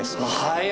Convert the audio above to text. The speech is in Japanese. はい。